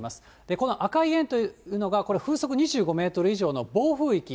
この赤い円というのが、これ、風速２５メートル以上の暴風域。